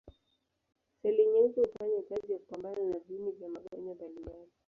Seli nyeupe hufanya kazi ya kupambana na viini vya magonjwa mbalimbali.